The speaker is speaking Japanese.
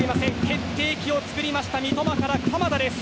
決定機を作りました三笘から鎌田です。